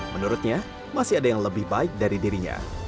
menurutnya masih ada yang lebih baik dari dirinya